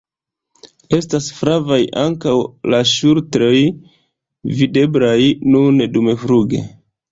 Estas flavaj ankaŭ la ŝultroj, videblaj nun dumfluge.